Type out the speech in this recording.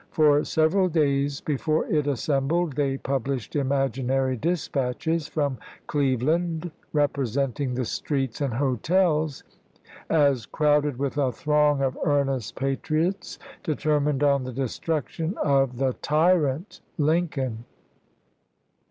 For several days before it assembled they published imaginary dispatches from Cleveland representing the streets and hotels as crowded with a throng of earnest patriots determined on the destruction of the tyrant Lincoln.